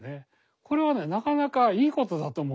これはねなかなかいいことだと思う。